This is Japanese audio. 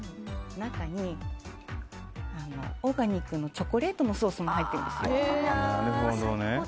中にオーガニックのチョコレートのソースも入ってるんですよ。